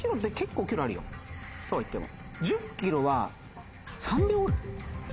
そうは言っても。